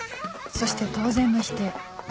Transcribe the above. そして当然の否定